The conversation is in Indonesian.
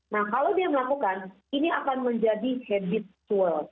nah kalau dia melakukan ini akan menjadi habit twirl